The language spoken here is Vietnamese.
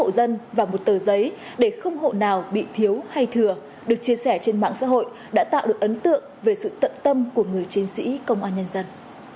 hộ dân và một tờ giấy để không hộ nào bị thiếu hay thừa được chia sẻ trên mạng xã hội đã tạo được ấn tượng về sự tận tâm của người chiến sĩ công an nhân dân